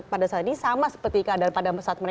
pada saat ini sama seperti keadaan pada saat mereka